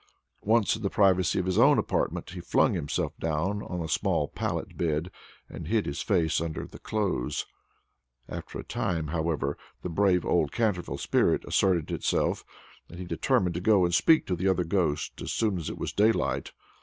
Once in the privacy of his own apartment, he flung himself down on a small pallet bed, and hid his face under the clothes. After a time, however, the brave old Canterville spirit asserted itself, and he determined to go and speak to the other ghost as soon as it was daylight.